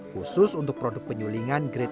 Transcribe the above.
khusus untuk produk penyulingan yang diperlukan